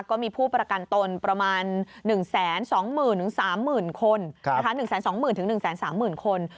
ก็มีผู้ประกันตนประมาณ๑๒๐๒๐ถึง๓๓๐๐๐๐คน